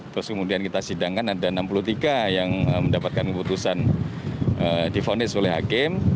terus kemudian kita sidangkan ada enam puluh tiga yang mendapatkan keputusan difonis oleh hakim